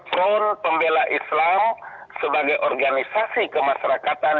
front pembela islam sebagai organisasi kemasyarakatan